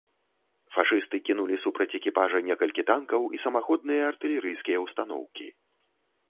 Фашысты кінулі супраць экіпажа некалькі танкаў і самаходныя артылерыйскія ўстаноўкі.